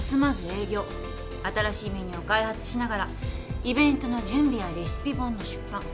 新しいメニューを開発しながらイベントの準備やレシピ本の出版。